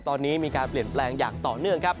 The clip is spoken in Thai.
ตอนนี้มีการเปลี่ยนแปลงอย่างต่อเนื่องครับ